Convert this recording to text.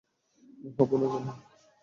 হবো না কেন?